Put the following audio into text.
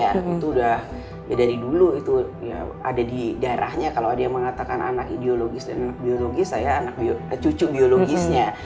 ya itu udah ya dari dulu itu ada di darahnya kalau ada yang mengatakan anak ideologis dan anak biologis saya anak cucu biologisnya